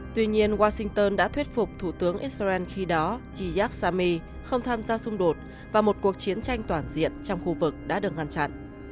tuy nhiên washington đã thuyết phục thủ tướng israel khi đó giyaksami không tham gia xung đột và một cuộc chiến tranh toàn diện trong khu vực đã được ngăn chặn